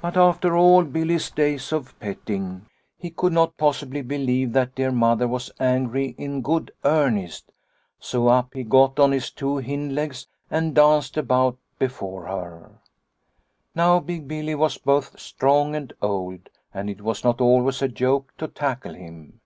But after all Billy's days of petting, he could not possibly believe that dear Mother was angry in good earnest, so up he got on his two hind legs and danced about before her. Now Big Billy was both strong and old and it was not always a joke to tackle him.